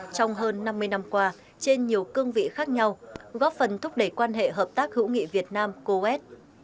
trong hơn năm mươi năm qua trên nhiều cương vị khác nhau góp phần thúc đẩy quan hệ hợp tác hữu nghị việt nam coes